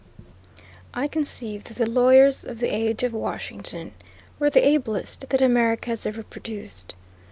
I conceive that the lawyers of the age of Washington were the ablest that America has ever produced.